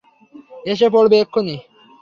এসে পড়বে এক্ষুনি।